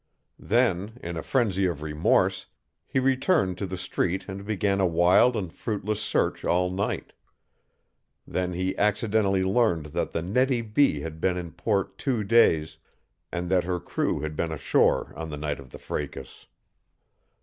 Then, in a frenzy of remorse, he returned to the street and began a wild and fruitless search all night. Then he accidentally learned that the Nettie B. had been in port two days and that her crew had been ashore on the night of the fracas.